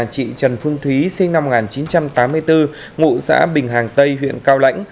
chị trần phương thúy sinh năm một nghìn chín trăm tám mươi bốn ngụ xã bình hàng tây huyện cao lãnh